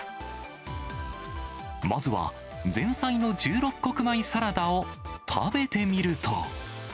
まずは前菜の１６穀米サラダを食べてみると。